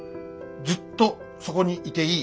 ずっとそこにいていい。